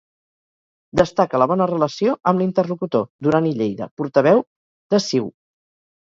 Destaca la bona relació amb l'interlocutor, Duran i Lleida, portaveu de CiU.